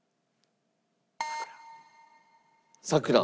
『さくら』。